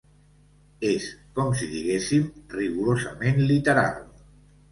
És, com si diguéssim, rigorosament literal.